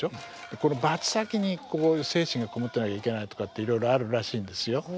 このバチ先にここに精神が籠もってなきゃいけないとかっていろいろあるらしいんですよ。